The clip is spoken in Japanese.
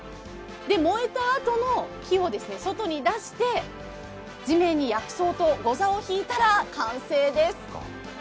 燃えたあとの木を外に出して地面に薬草とござを敷いたら完成です。